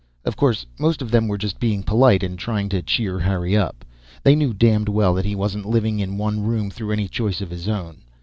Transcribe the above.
Of course most of them were just being polite and trying to cheer Harry up. They knew damned well that he wasn't living in one room through any choice of his own.